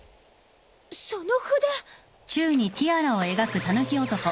その筆。